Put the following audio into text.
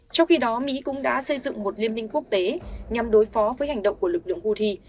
trong khi đó mỹ cũng đã xây dựng một liên minh quốc tế nhằm đối phó với hành động của lực lượng houthi